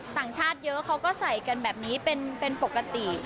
ต่างชาติเยอะเขาก็ใส่กันแบบนี้เป็นปกติ